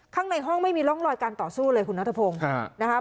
ข้างในห้องไม่มีร่องรอยการต่อสู้เลยคุณนัทพงศ์นะครับ